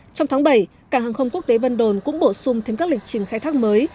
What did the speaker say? trong tháng bảy cảng hàng không quốc tế vân đồn cũng bổ sung thêm các lịch trình khai thác mới